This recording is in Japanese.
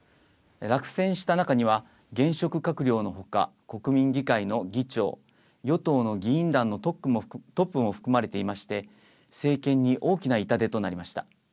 落選した中には現職閣僚のほか国民議会の議長与党の議員団のトップも含まれていまして政権に大きな痛手となりました。